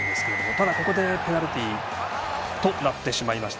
ただ、ペナルティーとなってしまいました。